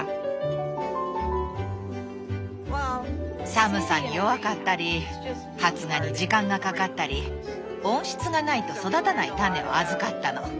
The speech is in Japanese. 寒さに弱かったり発芽に時間がかかったり温室がないと育たない種を預かったの。